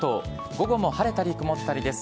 午後も晴れたり曇ったりです。